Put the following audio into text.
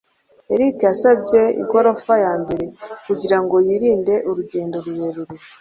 Eric yasabye igorofa ya mbere kugirango yirinde urugendo rurerure.